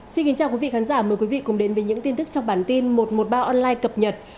xin kính chào quý vị khán giả mời quý vị cùng đến với những tin tức trong bản tin một trăm một mươi ba online cập nhật